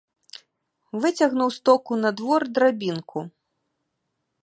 Выцягнуў з току на двор драбінку.